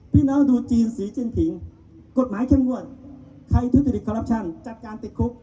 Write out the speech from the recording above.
พี่น้องดูจีนสีเจ้นผิงกฎหมายเข้มงวดใครทุกสิทธิ์จัดการติดคุก